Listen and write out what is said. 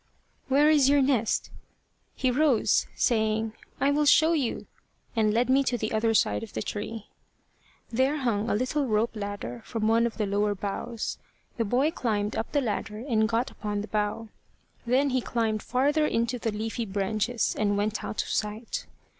"Where is your nest?" He rose, saying, "I will show you," and led me to the other side of the tree. There hung a little rope ladder from one of the lower boughs. The boy climbed up the ladder and got upon the bough. Then he climbed farther into the leafy branches, and went out of sight.